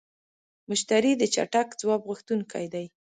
مشتری د چټک ځواب غوښتونکی دی.